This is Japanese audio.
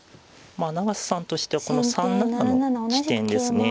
まあ永瀬さんとしてはこの３七の地点ですね